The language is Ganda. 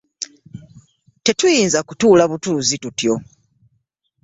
Tetuyinza kutuula butuuzi tutyo.